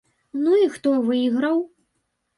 Ну і хто выйграў?